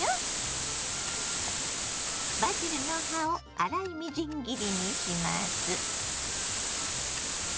バジルの葉を粗いみじん切りにします。